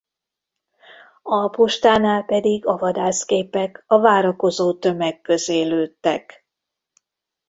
A postánál pedig a vadászgépek a várakozó tömeg közé lőttek.